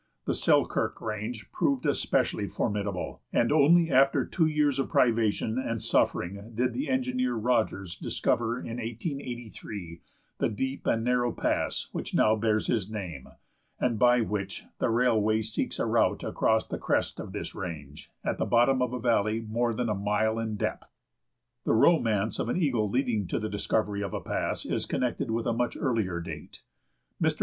The Selkirk Range proved especially formidable, and only after two years of privation and suffering did the engineer Rogers discover, in 1883, the deep and narrow pass which now bears his name, and by which the railway seeks a route across the crest of this range, at the bottom of a valley more than a mile in depth. The romance of an eagle leading to the discovery of a pass is connected with a much earlier date. Mr.